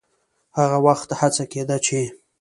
هغه وخت هڅه کېده چې